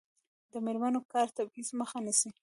د میرمنو کار د تبعیض مخه نیسي.